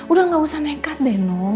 udah gak usah nekat deh no